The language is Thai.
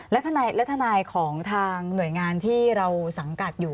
และทนายของทางหน่วยงานที่เราสังกัดอยู่